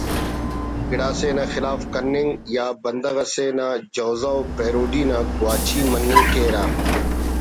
گڑا سے نا خلاف کننگ یا بندغ اسے نا جوزہ پیروڈی نا گواچی مننگ کیرہ